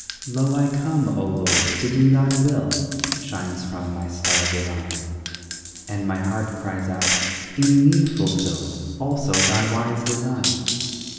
"Lo, I come, O Lord, to do Thy will!" Shines from my star divine, And my heart cries out, "In me fulfill Also, Thy wise design."